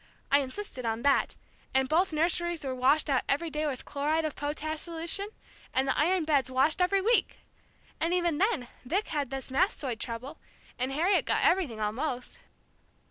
I insisted on that, and both nurseries were washed out every day with chloride of potash solution, and the iron beds washed every week! And even then Vic had this mastoid trouble, and Harriet got everything, almost."